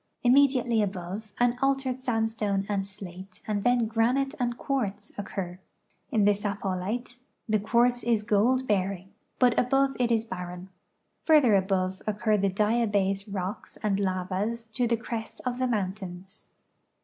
Immediately above an altered sandstone and slate and then granite and quartz occur. In the Sapollite the quartz is gold bearing, but above it is barren. Further above occur the diabase rocks and lavas to the crest of the mountains.